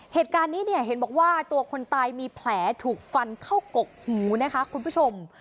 เหตุการณ์นี้เนี่ยเห็นบอกว่าตัวคนตายมีแผลถูกฟันเข้ากกหูนะคะคุณผู้ชม